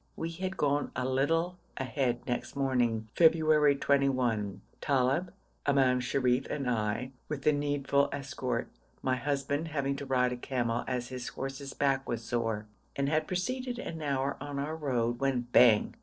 We had gone a little ahead next morning, February 21, Talib, Imam Sharif, and I, with the needful escort, my husband having to ride a camel as his horse's back was sore, and had proceeded an hour on our road when 'Bang!'